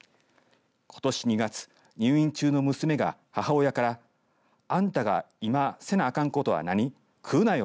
ことし２月入院中の娘が母親からあんたが今せなあかんことは何食うなよ